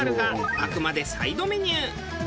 あくまでサイドメニュー。